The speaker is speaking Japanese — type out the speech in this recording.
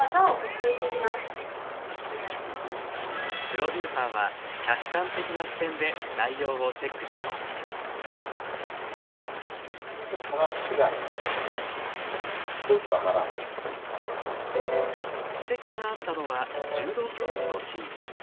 プロデューサーは客観的な視点で内容をチェックします指摘があったのは柔道教室のシーン。